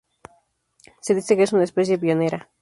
Se dice que es una especie pionera.